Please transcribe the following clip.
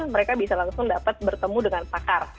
mereka bisa langsung dapat bertemu dengan pakar